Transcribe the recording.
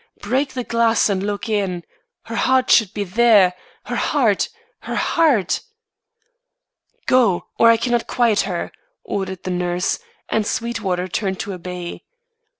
Break the glass and look in. Her heart should be there her heart her heart!" "Go, or I cannot quiet her!" ordered the nurse, and Sweetwater turned to obey.